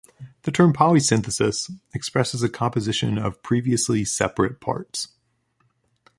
The term polysynthesis expresses a composition of previously separate parts.